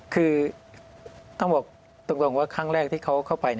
คือต้องบอกตรงว่าครั้งแรกที่เขาเข้าไป